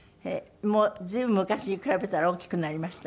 もう随分昔に比べたら大きくなりました？